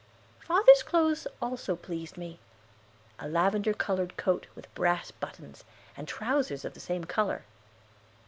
Father's clothes also pleased me a lavender colored coat, with brass buttons, and trousers of the same color.